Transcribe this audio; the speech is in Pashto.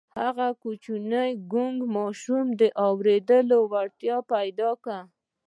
هغه کوچني کوڼ ماشوم د اورېدو وړتیا پیدا کړه